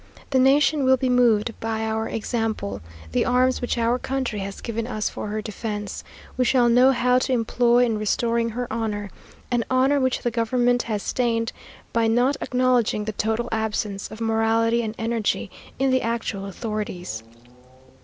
The nation will be moved by our example. The arms which our country has given us for her defence, we shall know how to employ in restoring her honour an honour which the government has stained by not acknowledging the total absence of morality and energy in the actual authorities.